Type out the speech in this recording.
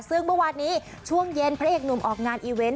ซึ่งเมื่อวานนี้ช่วงเย็นพระเอกหนุ่มออกงานอีเวนต์